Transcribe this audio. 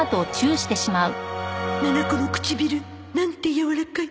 ななこの唇なんてやわらかい